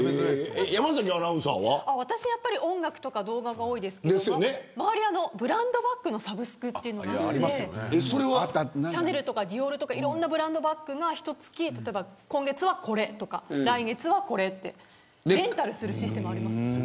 私は音楽とか動画が多いですが周りはブランドバッグのサブスクっていうのがあってシャネルとかディオールとかいろんなブランドバッグがひと月、例えば今月はこれとか来月はこれってレンタルするシステムあります。